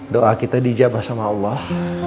doa kita dijabah sama allah